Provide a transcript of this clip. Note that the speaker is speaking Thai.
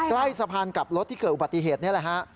ใกล้สะพานกับรถที่เกิดอุบัติเหตุนี่แหละฮะ